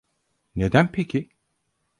Neden peki?